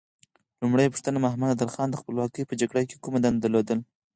لومړۍ پوښتنه: محمد نادر خان د خپلواکۍ په جګړه کې کومه دنده درلوده؟